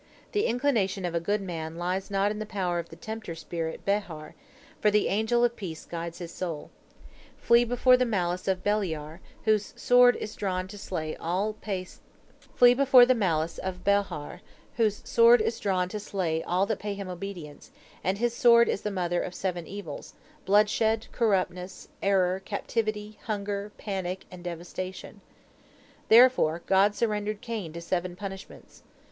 The inclination of a good man lies not in the power of the tempter spirit Behar, for the angel of peace guides his soul. Flee before the malice of Beliar, whose sword is drawn to slay all that pay him obedience, and his sword is the mother of seven evils, bloodshed, corruptness, error, captivity, hunger, panic, and devastation. Therefore God surrendered Cain to seven punishments.